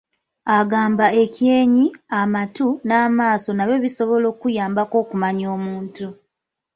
Agamba ekyenyi, amatu, n'amaaso nabyo bisobola okuyambako okumanya omuntu.